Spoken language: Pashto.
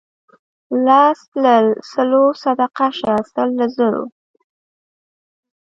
لس له سلو صدقه شه سل له زرو.